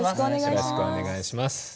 よろしくお願いします。